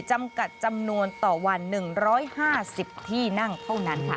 จำกัดจำนวนต่อวัน๑๕๐ที่นั่งเท่านั้นค่ะ